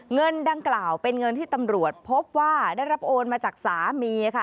เงินดังกล่าวเป็นเงินที่ตำรวจพบว่าได้รับโอนมาจากสามีค่ะ